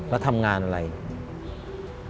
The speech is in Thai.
แล้วทำงานอะไรสัตว์